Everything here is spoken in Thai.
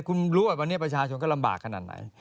คุณรู้ว่าวันนี้ประชาชนก็ลำบากขนาดไหน